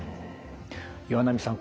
岩波さん